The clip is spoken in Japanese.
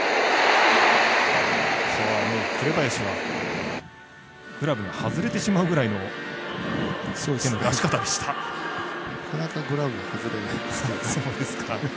紅林はグラブが外れてしまうぐらいのなかなかグラブが外れるって。